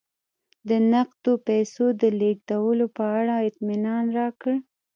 د نغدو پیسو د لېږلو په اړه اطمینان راکړه.